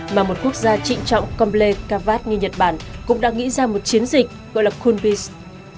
mà một quốc gia trịnh trọng komplei kawat như nhật bản cũng đã nghĩ ra một chiến dịch gọi là coolpeace